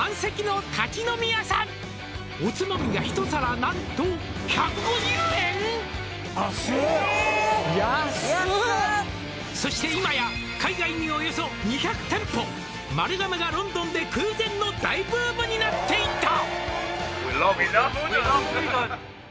「おつまみが一皿何と」安っえっ安っ「そして今や海外におよそ２００店舗」「丸亀がロンドンで空前の大ブームになっていた」